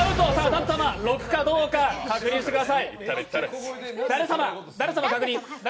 舘様、６かどうか確認してください。